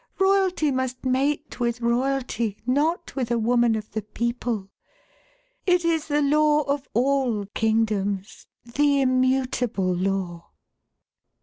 Royalty must mate with royalty, not with a woman of the people. It is the law of all kingdoms, the immutable law."